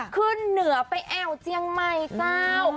ขึ้นเหนือไปแอวเจียงใหม่เจ้า